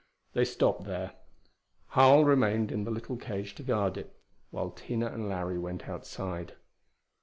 They stopped there. Harl remained in the little cage to guard it, while Tina and Larry went outside.